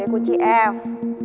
ini kunci f